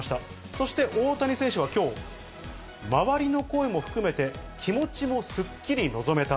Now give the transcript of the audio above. そして大谷選手はきょう、周りの声も含めて、気持ちもすっきり臨めた。